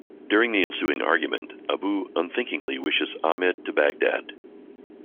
During the ensuing argument, Abu unthinkingly wishes Ahmad to Bagdad.